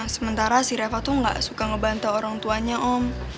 sementara si reva tuh gak suka ngebantah orang tuanya om